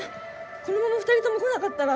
このまま２人とも来なかったら。